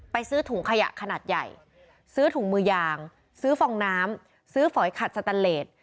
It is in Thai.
ซื้อถุงขยะขนาดใหญ่ซื้อถุงมือยางซื้อฟองน้ำซื้อฝอยขัดสตันเลส